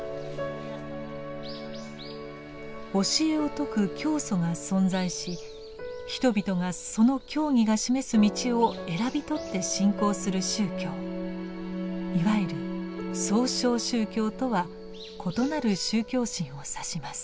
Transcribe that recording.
教えを説く教祖が存在し人々がその教義が示す道を選び取って信仰する宗教いわゆる「創唱宗教」とは異なる宗教心を指します。